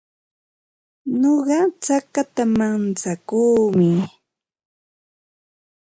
Nuqa chakata mantsakuumi.